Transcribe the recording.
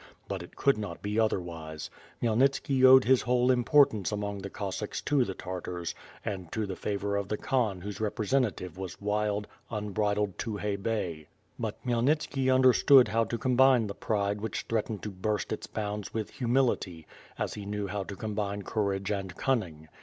But it could not be otherwise. Khmyel nitski owed his whole importance among the Cossacks to the Tartars and to the favor of the Khan whose reprcvsentative was wild, unbridled Tukhay Bey. But Khmyelnitski under stood how to combine the pride which threatened to burst its bounds with humility, as he knew how to combine courage and cunning.